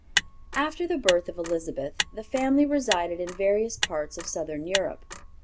After the birth of Elizabeth, the family resided in various parts of Southern Europe.